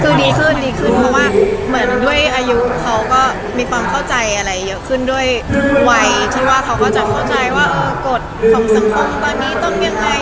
คือดีขึ้นดีขึ้นเพราะว่าเหมือนด้วยอายุเขาก็มีความเข้าใจอะไรเยอะขึ้นด้วยวัยที่ว่าเขาก็จะเข้าใจว่ากฎของสังคมตอนนี้ต้องยังไง